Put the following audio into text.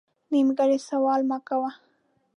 نیمګړی سوال مه کوه